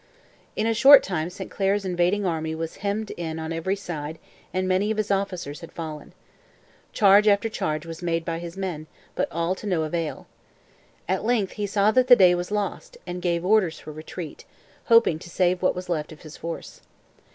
In a short time St Clair's invading army was hemmed in on every side and many of his officers had fallen. Charge after charge was made by his men, but all to no avail. At length he saw that the day was lost and gave orders for retreat, hoping to save what was left of his force.